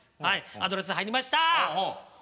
アドレス入りました！